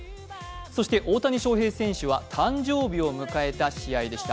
そして大谷翔平選手は誕生日を迎えた試合でした。